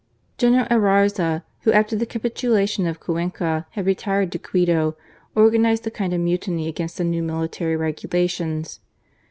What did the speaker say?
General Ayarza, who after the capitulation of Cuenca had retired to Quito, organized a kind of mutiny against the new military regulations.